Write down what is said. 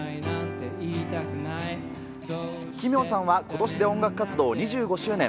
奇妙さんはことしで音楽活動２５周年。